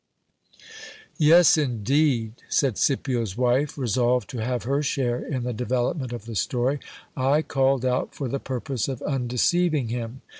Yes, indeed ! said Scipio's wife, resolved to have her share in the develop ment of the story ; I called out for the purpose of undeceiving him.